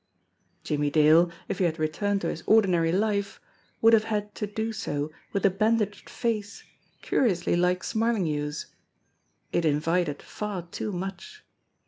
Jimmie Dale, if he had returned to his ordinary life, would have had to do so with a bandaged face curiously like Smarlinghue's ! It invited far too much!